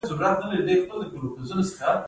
د کابل په چهار اسیاب کې څه شی شته؟